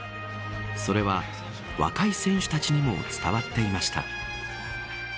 それは、若い選手たちにも伝わっていました。